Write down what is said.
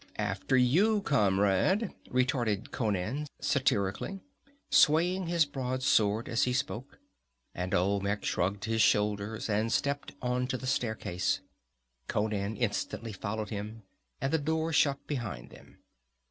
"After you, comrade!" retorted Conan satirically, swaying his broadsword as he spoke, and Olmec shrugged his shoulders and stepped onto the staircase. Conan instantly followed him, and the door shut behind them.